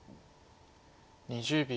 ２０秒。